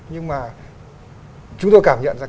nhưng mà chúng tôi cảm nhận ra